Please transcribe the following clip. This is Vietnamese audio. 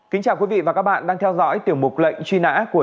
kính chào quý vị và các bạn đang theo dõi tiểu mục lệnh truy nã của